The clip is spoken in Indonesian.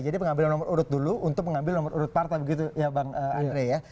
jadi pengambilan nomor urut dulu untuk mengambil nomor urut partai begitu ya bang andre ya